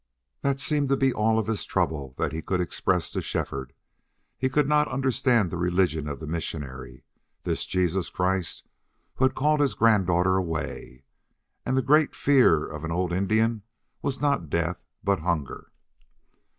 That seemed to be all of his trouble that he could express to Shefford. He could not understand the religion of the missionary, this Jesus Christ who had called his granddaughter away. And the great fear of an old Indian was not death, but hunger.